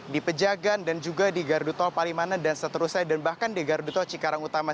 di pejagan dan juga di gardu tol palimanan dan seterusnya dan bahkan di gardu tol cikarang utama